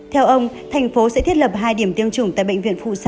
theo ông thành phố sẽ thiết lập hai điểm tiêm chủng tại bệnh viện phụ sản